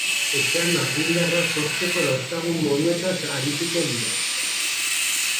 Etxean argindarra sortzeko dauzkagun moduetaz arituko dira.